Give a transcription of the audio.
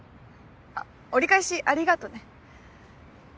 折り返しありがとね。